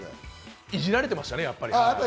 いじられてましたね。